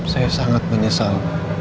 saya sangat menyesal